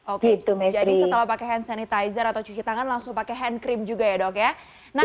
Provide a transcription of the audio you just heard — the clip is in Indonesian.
oke jadi setelah pakai hand sanitizer atau cuci tangan langsung pakai hand cream juga ya dok ya